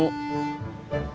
kalau saya masih tertarik